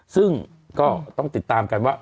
ซึ่งก็ต้องติดตามกันว่า